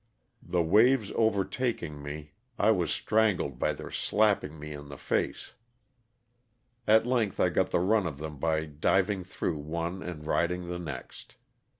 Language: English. The waves overtaking me I 90 LOSS OF THE SULTAN^A. was strangled by their slapping me in the face. At length I got the run of them by diving through one and riding the next.